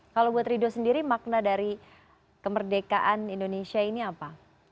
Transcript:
kalau buat rido sendiri makna dari kemerdekaan indonesia ini apa